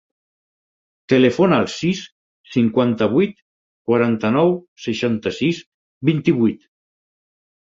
Telefona al sis, cinquanta-vuit, quaranta-nou, seixanta-sis, vint-i-vuit.